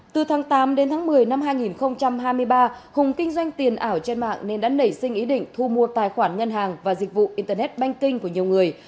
từ tháng tám đến tháng một mươi năm hai nghìn hai mươi ba hùng kinh doanh tiền ảo trên mạng nên đã nảy sinh ý định thu mua tài khoản ngân hàng và dịch vụ internet banking của nhiều người